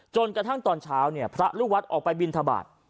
จนกระทั่งตอนเช้าเนี่ยพระลูกวัดออกไปบินทบาท